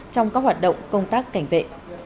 trong các hoạt động công tác cảnh vệ